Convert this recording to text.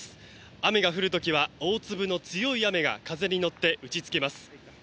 雨が降る時は大粒の強い雨が風に乗って打ちつけます。